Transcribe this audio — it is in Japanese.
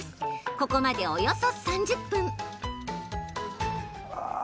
ここまでおよそ３０分。